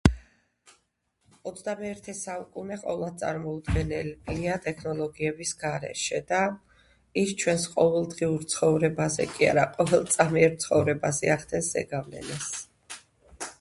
21-ე საუკუნე ყოვლად წარმოუდგენელია ტექნოლოგიების გარეშე და ის ჩვენს ყოველდღიურ ცხოვრებაზე კი არა ყოველწამიერ ცხოვრებაზე ახდენს ზეგავლენას.